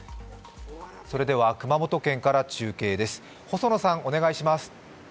それでは、熊本県から中継です。